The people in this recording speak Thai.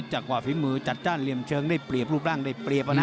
จังหวะฝีมือจัดจ้านเหลี่ยมเชิงได้เปรียบรูปร่างได้เปรียบนะ